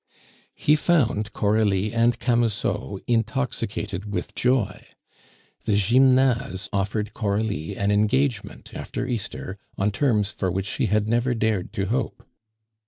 He found Coralie and Camusot intoxicated with joy. The Gymnase offered Coralie an engagement after Easter on terms for which she had never dared to hope.